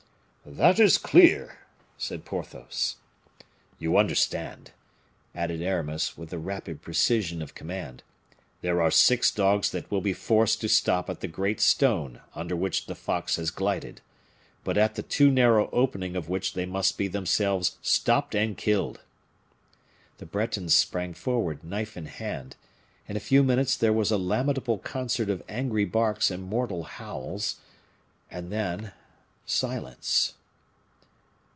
"That is clear," said Porthos. "You understand," added Aramis, with the rapid precision of command; "there are six dogs that will be forced to stop at the great stone under which the fox has glided but at the too narrow opening of which they must be themselves stopped and killed." The Bretons sprang forward, knife in hand. In a few minutes there was a lamentable concert of angry barks and mortal howls and then, silence.